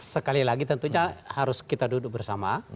sekali lagi tentunya harus kita duduk bersama